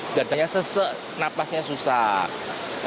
sebenarnya seseh napasnya susah